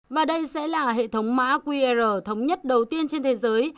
và đây sẽ là hệ thống mã qr thống nhất đầu tiên trên thế giới